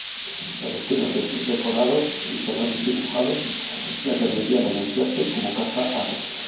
El estilo de sus decorados y telones dibujados le permitían anunciarse como "Casa árabe".